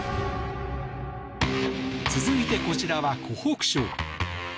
続いて、こちらは湖北省。